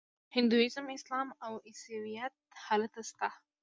هندویزم اسلام او عیسویت هلته شته.